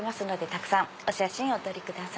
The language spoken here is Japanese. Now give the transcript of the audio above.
たくさんお写真お撮りください。